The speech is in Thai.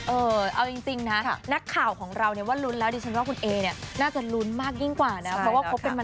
เออเอาจริงนะนักข่าวของเราเนี่ยว่ารุ้นแล้วดีคุณเอเนี่ยชาวรุ้นบ่อน่านนะคะ